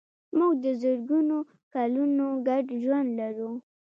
موږ د زرګونو کلونو ګډ ژوند لرو.